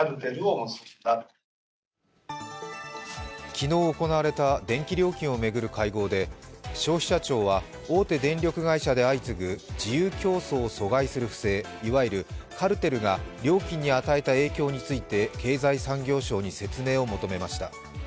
昨日行われた電気料金を巡る会合で消費者庁は大手電力会社で相次ぐ自由競争を阻害する不正、いわゆるカルテルが料金に与えた影響について経済産業省に説明を求めました。